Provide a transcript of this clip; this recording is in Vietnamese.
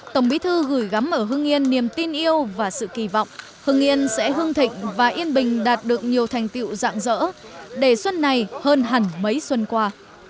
tổng bí thư gửi gắm ở hương yên niềm tin yêu và sự kỳ vọng hưng yên sẽ hương thịnh và yên bình đạt được nhiều thành tiệu dạng dỡ để xuân này hơn hẳn mấy xuân qua